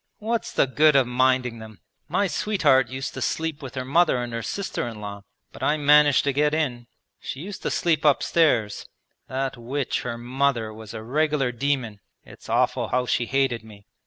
What's the good of minding them? My sweetheart used to sleep with her mother and her sister in law, but I managed to get in. She used to sleep upstairs; that witch her mother was a regular demon; it's awful how she hated me.